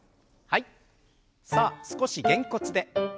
さあ少しげんこつで。